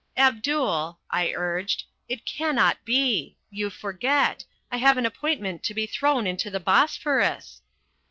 "Abdul," I urged, "it cannot be. You forget. I have an appointment to be thrown into the Bosphorus."